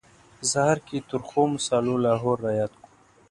په سهار کې ترخو مسالو لاهور را یاد کړو.